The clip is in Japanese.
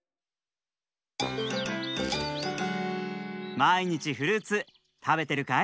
まいにちフルーツたべてるかい？